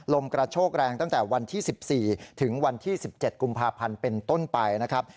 ลมกระโชกแรงตั้งแต่วันที่๑๔ถึงวันที่๑๗กุมภาพันธ์เป็นต้นไปนะครับ